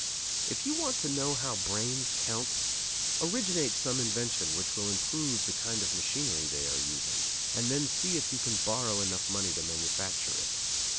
If you want to know how brains count, originate some invention which will improve the kind of machinery they are using, and then see if you can borrow enough money to manufacture it.